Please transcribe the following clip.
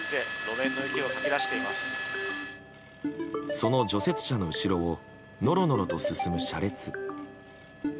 その除雪車の後ろをのろのろと進む車列。